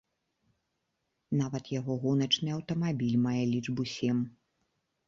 Нават яго гоначны аўтамабіль мае лічбу сем.